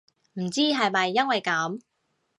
唔知係咪因為噉